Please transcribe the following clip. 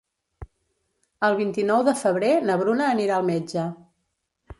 El vint-i-nou de febrer na Bruna anirà al metge.